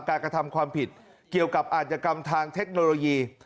กระทำความผิดเกี่ยวกับอาจกรรมทางเทคโนโลยี